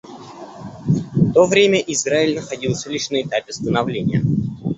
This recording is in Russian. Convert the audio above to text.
В то время Израиль находился лишь на этапе становления.